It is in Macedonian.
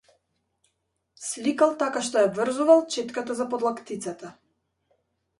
Сликал така што ја врзувал четката за подлактицата.